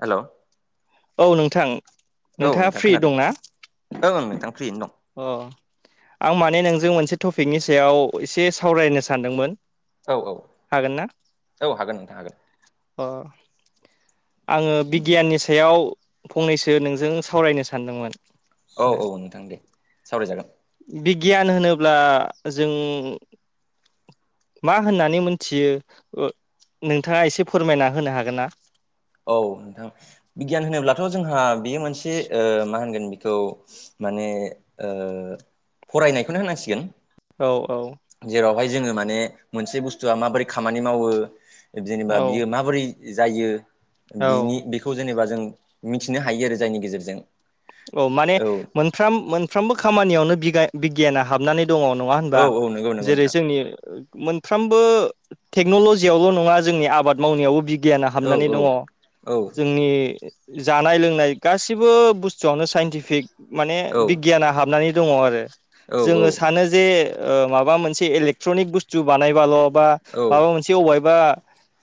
हेल' औ नोंथां नोंथाङा फ्रि खोनादों दंना? ओं ओं नोंथां फ्रियैनो दं आं माने नोंजों मोनसे टपिकनि सायाव, एसे सावरायनो सानदोंमोन। औ औ हागोन ना औ हागोन नोंथां हागोन अ आङो बिगियाननि सायाव फंनैसो नोंजों सावरायनो सानदोंमोन। औ औ नोंथां दे सावरायजागोन। बिगियान होनोब्ला जों मा होननानै मोनथियो अ नोंथाङा एसे फोरमायना होनो हागोन ना औ नोंथां बिगियान होनोब्लाथ जोंहा बेयो मोनसे ओ मा होनगोन बेखौ माने ओ फरायनायखौनो होनांसिगोन। औ औ जेरावहाय जोङो माने मोनसे बुस्थुआ माबोरै खामानि मावो जेनेबा औ बियो माबोरै जायो औ बिनि बेखौ जेनेबा जों मिथिनो हायो आरो जायनि गेजेरजों औ माने मोनफ्राम मोनफ्रोमबो खामानियावनो बिगाय बिगियाना हाबनानै दङ नङा औ होनबा औ नंगौ नंगौ जेरै नोंथां जोंनि मोनफ्रोमबो टेक्नलजियावल नङा जोंनि आबाद मावनायावबो बि गियाना औ हाबनानै औ दङ जोंनि जानाय लोंनाय गासिबो बुस थुयावनो साइन्टिफिक माने औ बिगियाना हाबनानै दङ आरो औ औ जोङो सानो जे ओ माबा मोनसे इलेक्ट्रनिक बुस्थु बानायबाल बा औ माबा मोनसे अबायबा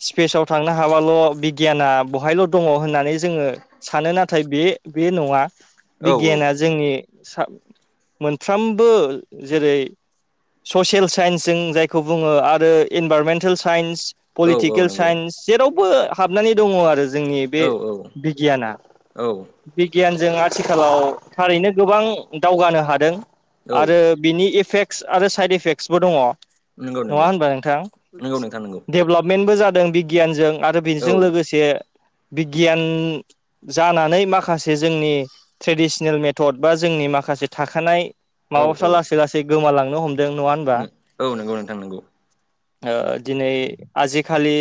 स्पेसाव थांनो हाबाल बिगियाना बहायल दङ होना नै जोङो सानो नाथाय बे बे नङा औ बिगियाना जोंनि सा मोनफ्रामबो जेरै ससियेल साइन्स जों जायखौ बुङो आरो इनभारमेन्टेल साइन्स औ औ पलिटिकेल नंगौ साइन्स जेरावबो हाबनानै दङ आरो जोंनि बे औ औ बिगियाना औ बिगियानजों आथ थिखालाव थारैनो गोबां दावगानो हादों औ आरो बिनि एफेक्ट आरो साइद एफेक्टसबो दङ नंगौ नङा नंगौ होनबा नोंथां नंगौ नोंथां नंगौ डेभेलपमेन्टबो जाद दों बिगियानजों आरो बेजों औ लोगोसे बिगियान जानानै माखासे जोंनि ट्रेडिसनेल मेथड बा जोंनि माखासे थाखानाय औ माबाफ्रा लासै लासै गोमालांनो हम औ नोंगौ नोंथां नोंगौ ओ दिनै आजिखालि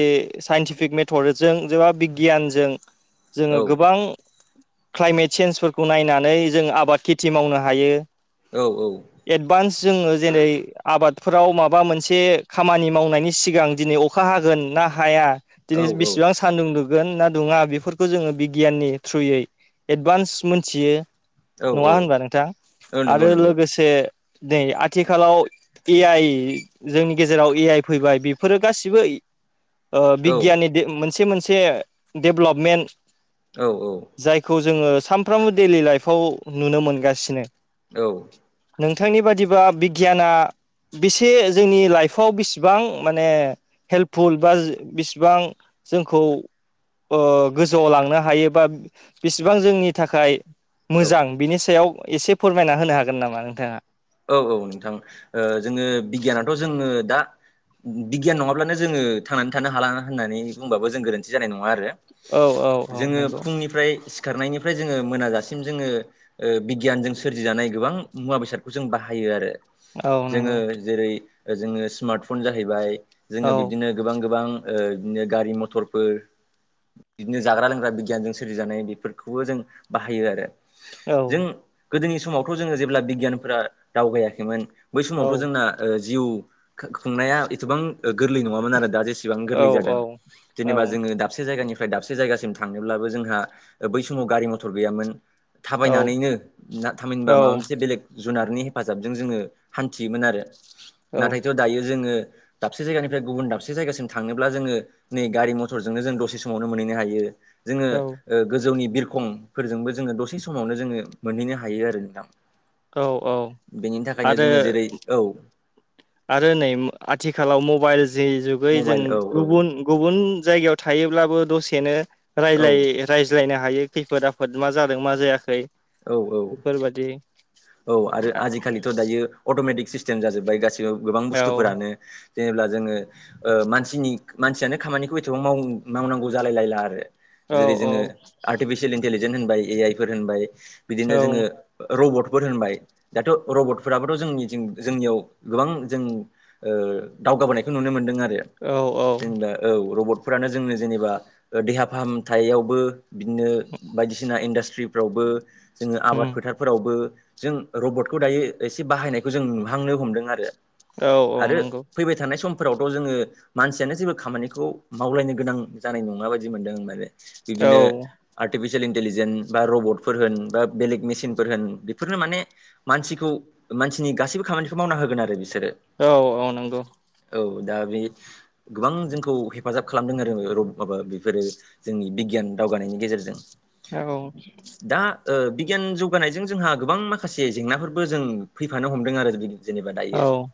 साइन्टिफिक मेथडजों जेबा बिगियानजों औ जोङो गोबां क्लाइमेट सेेन्जफोरखौ नायनानै जों आबाद खेथि मावनो हायो। औ एडभान्स जोङो जेरै आबाद फोराव माबा मोनसे खामानि मावनायनि सिगां दिनै अखा हागोन ना हाया। औ दिनै बेसेबां सान्दुं दु गोन ना दुङा बेफोरखौ जोङो बिगियाननि थ्रुयै एडभान्स मोनथियो औ नङा औ होनबा नोंथां औ नंगौ आरो नंगौ लोगोसे दै आथिखालाव ए आइ जोंनि गेजेराव ए आइ फैबाय बेफोरो गासिबो ओ औ बिगियाननि दे ओ मोनसे मोनसे डेभलपमेन्ट औ औ जायखौ जोङो सामफ्रामबो दैलि लाइफआव नुनो मोनगासिनो औ नोंथांनि बादिबा बिगियाना बेसे जोंनि लाइफआव बिसिबां माने हेल्पफुल बा बिसिबां जोंखौ ओ गोजौआव लांनो हायो बा बिसिबां जोंनि थाखाय मोजां बिनि सायाव एसे फोरमायना होनो हागोन नामा नोंथाङा औ औ नोंथां ओ जोङो बिगियानाथ जोङो दा बिगियान नङाब्लानो जोङो थांनानै थानो हाला होननानै बुंबाबो जों गोरोन्थि जानाय नङा आरो औ औ औ जोङो नंगौ फुंनिफ्राय सिखारनायनिफ्राय जोङो मोनाजासिम जोङो ओ बिगियानजों सोरजिजानाय गोबां मुवा बेसाद खौ जों बाहायो आरो औ नंगौ जोङो जेरै जोङो स्मार्ट फन जाहैबाय औ जोङो बिब्दिनो गोबां गोबां ओ बिदिनो गारि मथरफोर बिब्दिनो जाग्रा लोंग्रा बिगियानजों सोरजिजानाय बेफोरखौबो जों बाहायो आरो औ जों गोदोनि समावथ जोङो जेब्ला बिगियानफोरा दावगायाखैमोन बै औ समावथ जोंना ओ जिउ खुंनाया एसेबां गोरलै नङामोन आरो दा जेसेबां गोरलै जादों। औ जेनेबा जोङो दाबसे जायगानि फ्राय दाबसे जायगासिम थांनोब्लाबो जोंहा बै समाव गारि मथर गैयामोन। थाबायनानैनो ना थामहिनबा माबा मोनसे औ बेलेग जुनारनि हेफाजाबजों जोङो हान्थियोमोन आरो नाथायथ' दायो जोङो दाबसे जायगानिफ्राय गुबुन दाबसे जायगासिम थांनोब्ला जोङो नै गारि मथरजोंनो जों दसे समावनो मोनहैनो हायो। जोङो औ ओ गोजौनि बिब खंफोरजोंबो जोङो दसे समावनो जोङो मोनहैनो हायो आरो नोंथां। औ औ बेनि थाखायनो आरो जोङो जेरै औ। आरो नै आथिखालाव मबाइल जेय' जुगै जों मबाइल औ औ गुबुन गुबुन जायगायाव थायोब्लाबो दसेनो रायलाय औ रायज्लायनो हायो खैफोद आफोद मा जादों मा जायाखै। औ औ बेफोरबादि औ आरो आजिखालिथ' दायो अट'मेटिक सिस्टेम जाजोबबाय गासिबो गोबां औ बुस्थुफोरानो। जेनेब्ला जोङो ओ मानसिनि मानसियानो खामानिखौ एथबां मावो मावनांगौ जालाय लायला आरो। औ जेरै जोङो आर्टिफिसियेल इन्टेलिजेन होनबाय ए आइ फोर होनबाय औ बिदिनो जोङो रबटफोर होनबाय दाथ' रबटफोराबोथ' जोंनि जोंनि जोंनियाव गोबां जों ओ ओ दावगाबोनायखो नुनो मोनदों आरो। जे औ औ जेनेबा औ रबटफोरानो जोंनो जेनेबा देहा फाहामथायावबो बिदिनो बायदिसिना इन्डास्ट्रिफ्रावबो जोङो आबाद उम फोथारफोरावबो जों रबटखौ दायो एसे बाहायनायखौ जों नुहांनो हमदों आरो। औ औ आरो नंगौ फैबाय थानाय सम फोरावथ' जोङो मानसियानो जेबो खामानिखौ मावलायनो गोनां जानाय नङा बायदि मोनदों माने औ बिदिनो आर्टिफिसियेल इन्टलिजेन बा रबट फोर होन बा बेलेग मेसिनफोर होन बेफोरनो माने मानसिखौ मानसिनि गासिबो खामानिखौ मावना होगोन आरो बिसोरो औ औ नोंगौ। औ दा बे गोबां जोंखौ हेफाजाब खालामदों आरो रब माबा बेफोरो जोंनि बिगियान दावगानायनि गेजेरजों औ दा ओ बिगियान जौगानायजों जोंहा गोबां माखासे जेंनाफोरबो जों फैफानो हमदों आरो जेनेबा दायो औ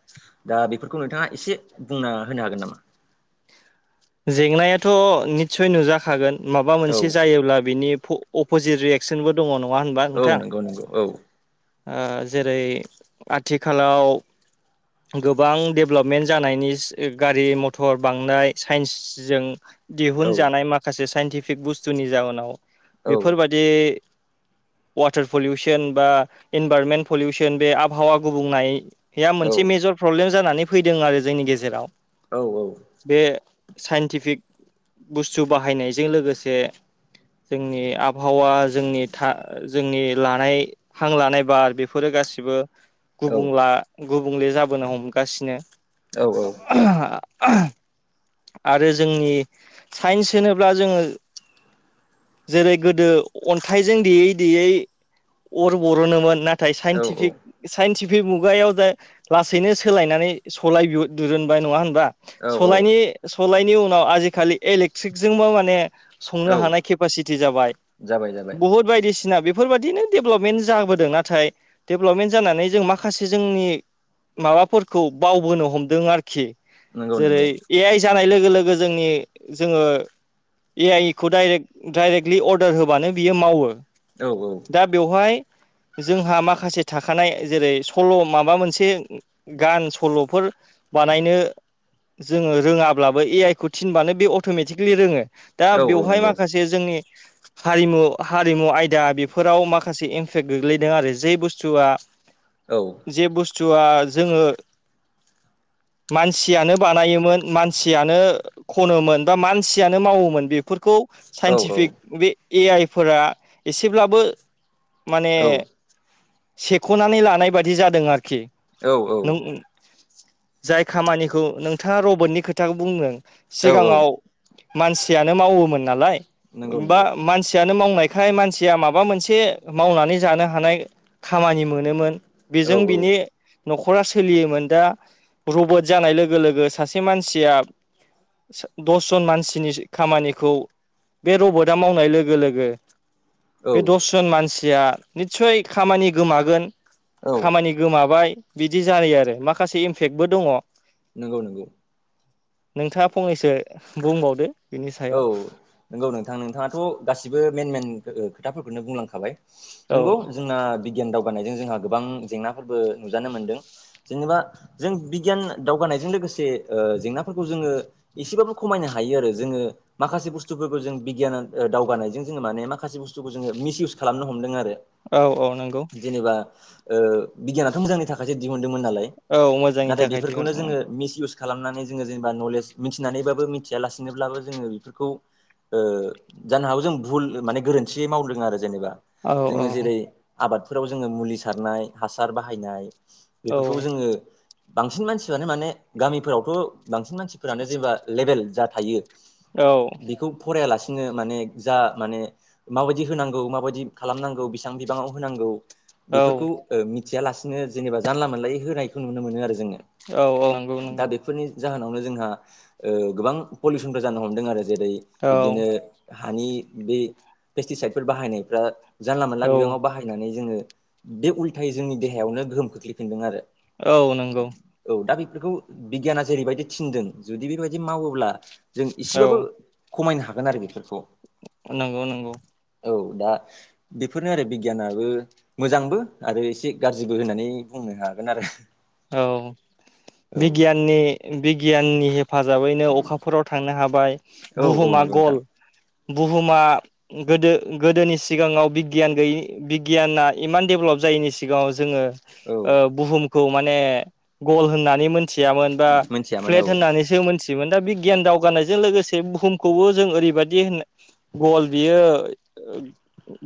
दा बेफोरखौ नोंथाङा एसे बुंना होनो हागोन नामा। जेंनायाथ' निस्सय नुजाखागोन माबा मोनसे औ जायोब्ला बिनि फ' फ' पजि रियेक्सनबो दङ न' औ नंगौ नंगौ औ। ओ जेरै आथिखालाव गोबां डेभलपमेन्ट जानायनि गारि मथर बांनाय साइन्सजों औ दिहुनजानाय माखासे साइन्टिफिक बुस्थुनि जाउोनाव औ बेफोरबादि वाटार पलिउसन बा इनभारमेन्ट पलिउसन बे आबहावा गुबुंनाय औ थि मेजर प्रब्लेम जानानै फैदों आरो जोंनि गेजेराव। औ औ बे साइन्टिफिक बुस्थु बाहायनायजों लोगोसे जोंनि आबहावा जोंनि था जोंनि लानाय हां लानाय बार बेफोरो गा गासिबो औ गुबुंला गुबुंले जाबोनो हमगासिनो। औ औ। आरो जोंनि साइन्स होनोब्ला जोङो जेरै गोदो अन्थाइजों देयै देयै अर बर'नोमोन नाथाय औ साइन्टिफिक साइन्टिफिक बे मुगायाव जे लासैनो सोलायनानै सलाय बि दिरुनबाय नङा होन बा? औ सलायनि सलायनि उनाव आजिखालि इलेकट्रिकजोंबो माने औ संनो हानाय खेफासिटि जाबाय, जाबाय जाबाय बुहुत बायदि बायदिसिना बेफोरबायदिनो डेभेलपमेन्ट जाबोदों नाथाय डेभेलपमेन्ट जानानै जों माखासे जोंनि माबाफोरखौ बावबोनो हमदों आरोखि नंगौ जेरै नंगौ ए आइ जानाय लोगो लोगो जोंनि जोङो ए आइ खौे डाइरेक्ट डाइरेक्टलि अर्डार होबानो बियो मावो। औ औ दा बेवहाय जोंहा माखासे थाखानाय जेरै सल' माबा मोनसे गान सल'फोर बानायनो जोङो रोङाब्लाबो ए आइ खौ थिनबानो बे अट'मेटिकलि रोङो। औ औ नंगौ। बे जोंनि हारिमु हारिमु आयदा बेफोराव माखासे इमपेक्ट गोग्लैदों आरो जे बुस थुआ औ जे बुस्थुआ जोङो मानसियानो बानायोमोन मानसियानो खनोमोन बा मानसियानो मावोमोन बेफोरखौ औ साइन्टिफिक बे ए आइफोरा एसेब्लाबो माने औ सेख'नानै लानाय बादि जादों आरो खि। औ औ नोंं ओ जाय खामानिखौ नोंथाङा रबटनि खोथाखौ बुंदों औ सिगाङाव मानसियानो मावोमोन नालाय नंगौ बा नंगौ मानसियानो मावनाय निफ्राय मानसिया माबा मोनसे मावनानै जानो हानाय खामानि मोनोमोन। औ बेजों औ बिनि न'खरा सोलियोमोन दा रबट जानाय लोगो लोगो सासे मानसिया दसजन मानसिनि खामानिखौ बे रबटआ मावनाय लोगो लोगो औ बे दसजन मानसि या निस्सय खामानि गोमागोन, औ खामानि गोमाबाय बिदि जायो आरो, माखासे इमफेक्टबो दङ नंगौ नंगौ। नोंथाङा फंनैसो बुंबावदो बिनि सायाव। नोंगौ नोंथां नोंथाङाथ' गासिबो मेइन मेइन ओ खोथाफोरखौनो बुंलांखाबाय। औ नंगौ जोंना बिगियान दावगानायजों जोंहा गोबां जेंनाफोरबो नुजानो मोनदों जेनबा जों बिगियान दावगा नायजों लोगोसे ओ जेंनाफोरखौ जोङो एसेबाबो खमायनो हायो आरो जोङो माखासे बुस्थुफोरखौ जों बिगियान ओ दावगानायजों जोङो माने माखासे बुस्थुखौ जोङो मिस इउस खालामनो हमदों आरो। औ औ नंगौ। जेनेबा ओ बिगियानाथ' मोजांनि थाखायसो दिहुन दोंमोन नालाय औ मोजांनि नाथाय थाखाय दिहुन बेफोरखौनो जोङो मिस इउस खालामनानै जोङो जेनेबा नलेज मिथिनानैबाबो मिथियालासेनोब्लाबो जोङो बेफोरखौ ओ जानो हागौ जों भुल माने गोरोन्थि मावदों आरो जेनेबा। औ जोङो औ। जेरै आबादफोराव जोङो मुलि सारनाय हासार बाहायनाय बेफोरखौ जोङो बांसिन मानसियानो माने गामिफोरावथ' बांसिन मानसिफोरानो जेनेबा लेबेल जा थायो, औ बेखौ फरायालासि नो माने जा माने माबायदि होनांगौ माबायदि खालामनांगौ बेसेबां बिबाङाव होनांगौ औ बेफोरखौ ओ मिथियालासिनो जेनेबा जानला मोनलायै होनायखौ नुनो मोनो आरो जोङो। औ औ नंगौ दा नंगौ। बेफोरनि जाहोनावनो जोंहा ओ गोबां पलिउसनफोर जानो हमदों आरो जेरै औ बिब्दिनो हानि बे पेस्टिसाइदफोर बाहायनायफ्रा जानला मोनला औ बिबाङाव बाहायनानै जोङो बे उल्थायै जोंनि देहायावनो गोहोम खोख्लैफिनदों आरो औ नंगौ बेखौ बिगियाना जेरैबायदि थिनदों जुदि बेबायदि मावोब्ला जों औ इसेबाबो खमायनो हागोन आरो बेफोरखौ नंगौ नंगौ औ- दा बेफोरनो आरो बिगियानाबो मोजांबो आरो एसे गाज्रिबो होननानै बुं नो हागोन आरो औ औ बिगियाननि बिगियाननि हेफाजाबै नो अखाफोराव थांनो हाबाय औ औ बुहुम नंगौ गल नोंथां बुहुमा गोदो गोदोनि सिगांङाव बिगियान गैय बिगियाना इमान डेभेलप जायनि सिगां औ जोंङो बुहुमखौ माने गल होननानै मोन मिथियामोन बा मिथियामोन औ फ्लेट होननानैसो मोनथियोमोन दा बे गियान दावगानायजों लोगोसे बुहुमखौबो जों ओरैबायाददि होन गल बियो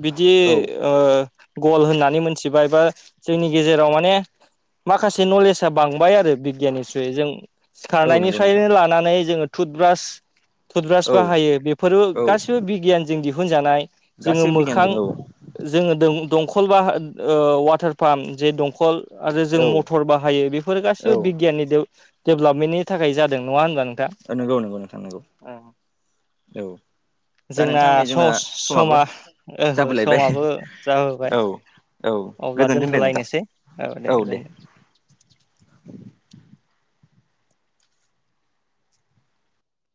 बिदि औ ओ गल होननानै मिथिबाय बा जोंनि गेजेराव माने माखासे नलेजआ बांबाय आरो बिगियाननिख्रुइ जों औ नंगौ नोंथां सिखारनायनिफ्रायनो लानानै जोंङो थुदब्रास थुदब्रास औ बाहायो बेफोरबो औ गासिबो बिगियानजों दिहुनजानाय जोंङो गासैबो मोखां बिगियानजों औ जोंङो दोम दंखल बा ओ वाटार पाम्प जे दंखल आरो जों म टर औ बाहायो बेफोर गासिबो औ बिगियाननि डेभेलपमेन्टनि थाखाय जादों नंङा होन ओ नंगौ नंगौ नोंथां नंगौ औ दा नोंथांनाय जोंना समाबो ओहो जाबोलायबाय समाबो जाबोबाय औ औ अब्ला गोजोनथों दे नोंथां दोनथ'लायनोसै औ दे